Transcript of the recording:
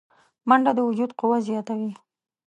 منډه د وجود قوه زیاتوي